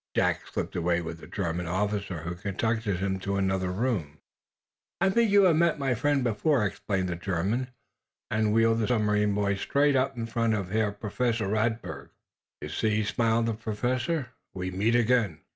Jack slipped away with the German officer, who conducted him to another room. "I think you have met my friend before," explained the German, and wheeled the submarine boy straight up in front of Herr Professor Radberg. "You see," smiled the professor, "we meet again."